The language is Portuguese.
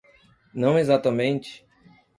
Não exatamente